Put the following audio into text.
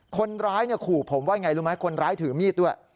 คนร้ายขู่ผมว่าอย่างไรรู้ไหมคนร้ายถือมีดด้วย